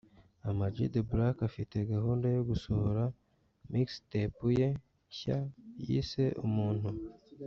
Ama G The Black afite gahunda yo gusohora Mixtape ye nshya yise ‘Umuntu’